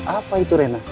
apa itu rena